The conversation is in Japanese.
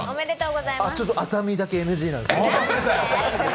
ちょっと熱海だけＮＧなんです。